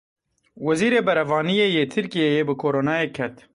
Wezîrê Berevaniyê yê Tirkiyeyê bi Coronayê ket.